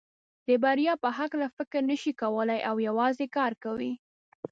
د بریا په هکله فکر نشي کولای او یوازې کار کوي.